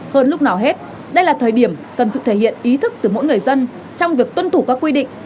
hơn lúc nào hết đây là thời điểm cần sự thể hiện ý thức từ mỗi người dân trong việc tuân thủ các quy định